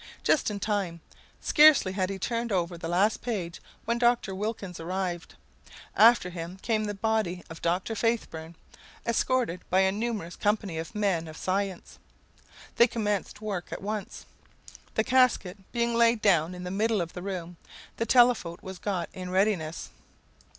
Just in time. Scarcely had he turned over the last page when Dr. Wilkins arrived. After him came the body of Dr. Faithburn, escorted by a numerous company of men of science. They commenced work at once. The casket being laid down in the middle of the room, the telephote was got in readiness.